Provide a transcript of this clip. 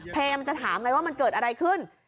พยายามจะถามไงว่ามันเกิดอะไรขึ้น